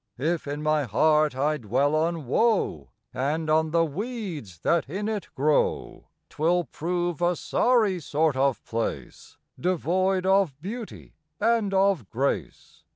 If in my heart I dwell on woe, And on the weeds that in it grow, Twill prove a sorry sort of place Devoid of beauty and of grace.